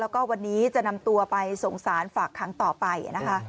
แล้วก็วันนี้จะนำตัวไปส่งสารฝากขังต่อไปนะคะ